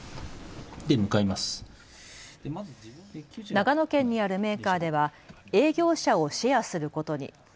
長野県にあるメーカーでは営業車をシェアすることに。